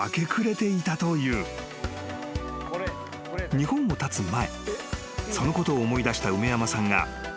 ［日本をたつ前そのことを思い出した梅山さんが］ねえ？